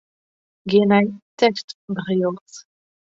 Gean nei tekstberjocht.